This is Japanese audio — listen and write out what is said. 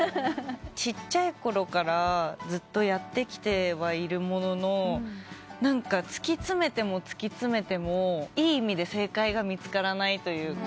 ちっちゃいころからずっとやってきてはいるものの何か突き詰めても突き詰めてもいい意味で正解が見つからないというか。